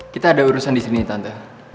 kita ada urusan disini tante